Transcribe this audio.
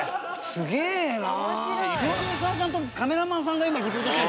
すげぇな。